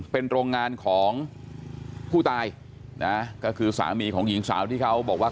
เป็นโรงงานของผู้ตายนะก็คือสามีของหญิงสาวที่เขาบอกว่า